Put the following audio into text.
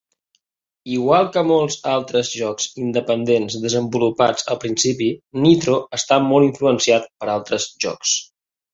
Igual que molts altres jocs independents desenvolupats al principi, "Nitro" està molt influenciat per altres jocs.